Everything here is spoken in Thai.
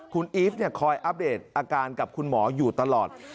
คุณอีฟคอยอัปเดตอาการกับคุณหมออยู่ตลอด